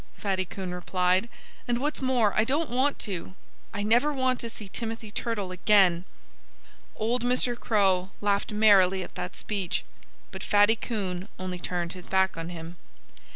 Fatty Coon replied. "And what's more, I don't want to. I never want to see Timothy Turtle again." Old Mr. Crow laughed merrily at that speech. But Fatty Coon only turned his back on him.